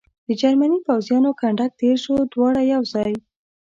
د جرمني پوځیانو کنډک تېر شو، دواړه یو ځای.